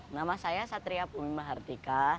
nama saya satria pumimah hartika